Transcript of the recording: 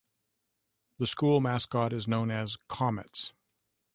The school mascot is known as "Comets".